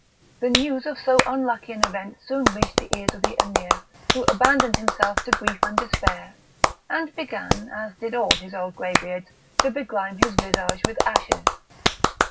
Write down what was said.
The news of so unlucky an event soon reached the ears of the Emir, who abandoned himself to grief and despair, and began, as did all his old grey beards, to begrime his visage with ashes.